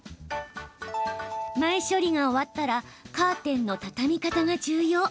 前処理が終わったらカーテンの畳み方が重要。